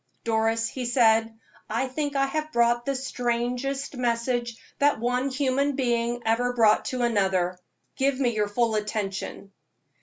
"Doris," he said, "I think I have brought the strangest message that one human being ever brought to another. Give me your full attention."